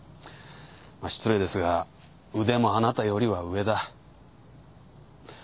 まあ失礼ですが腕もあなたよりは上だ。